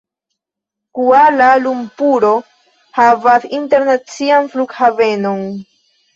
Kuala-Lumpuro havas internacian flughavenon.